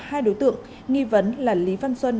hai đối tượng nghi vấn là lý văn xuân